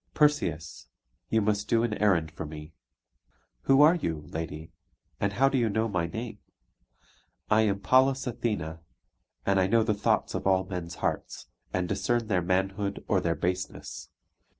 "Perseus, you must do an errand for me." "Who are you, lady? And how do you know my name?" "I am Pallas Athene; and I know the thoughts of all men's hearts, and discern their manhood or their baseness.